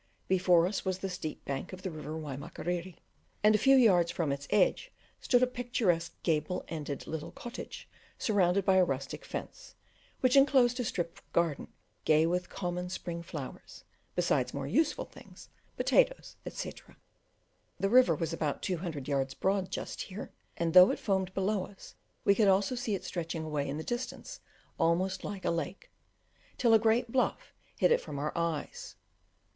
Before us was the steep bank of the river Waimakiriri, and a few yards from its edge stood a picturesque gable ended little cottage surrounded by a rustic fence, which enclosed a strip of garden gay with common English spring flowers, besides more useful things, potatoes, etc. The river was about two hundred yards broad just here, and though it foamed below us, we could also see it stretching away in the distance almost like a lake, till a great bluff hid it from our eyes.